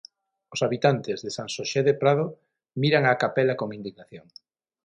Os habitantes de San Xosé de Prado miran á capela con indignación.